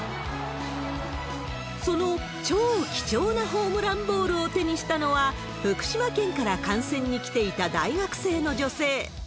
その超貴重なホームランボールを手にしたのは、福島県から観戦に来ていた大学生の女性。